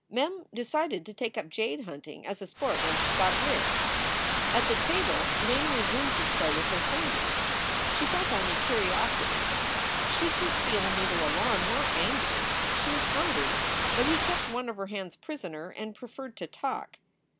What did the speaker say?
Mem decided to take up jade hunting as a sport when she got rich. At the table Ling resumed his play with her fingers. She felt only curiosity. She could feel neither alarm nor anger. She was hungry, but he kept one of her hands prisoner and preferred to talk.